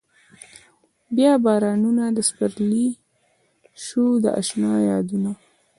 بيا بارانونه د سپرلي شو د اشنا يادونه